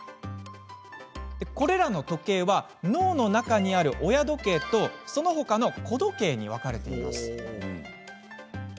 これらの時計は脳の中にある親時計とそのほかの子時計に分かれています。